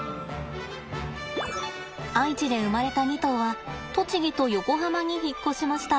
愛知で生まれた２頭は栃木と横浜に引っ越しました。